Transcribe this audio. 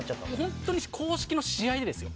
本当に公式の試合でですよ。